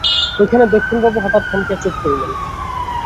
এইখানে দক্ষিণাবাবু হঠাৎ থমকিয়া চুপ করিলেন।